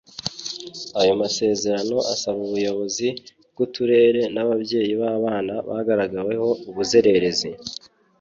Ayo masezerano asaba ubuyobozi bw’uturere n’ababyeyi b’abana bagaragaweho ubuzererezi